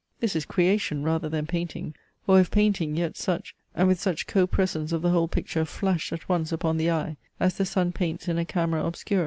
This is creation rather than painting, or if painting, yet such, and with such co presence of the whole picture flashed at once upon the eye, as the sun paints in a camera obscura.